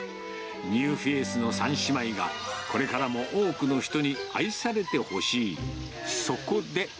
ニューフェースの３姉妹が、これからも多くの人に愛されてほしい、そこで。